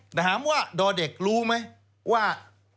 แต่ถามว่าดอเด็กรู้ไหมว่า